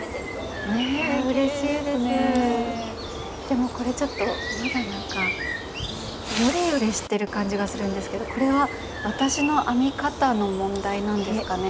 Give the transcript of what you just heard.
でもこれちょっとまだなんかヨレヨレしてる感じがするんですけどこれは私の編み方の問題なんですかね。